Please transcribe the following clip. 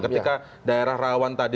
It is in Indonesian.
ketika daerah rawan tadi